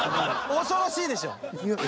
恐ろしいでしょ。